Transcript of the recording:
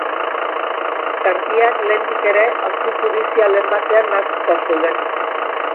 Erdiak lehendik ere auzi judizialen batean nahastuta zeuden.